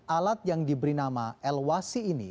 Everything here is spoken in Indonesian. alat yang diberi nama elwasi ini